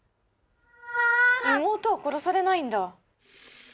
妹は殺されないんだ。